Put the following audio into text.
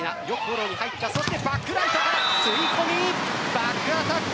バックアタック。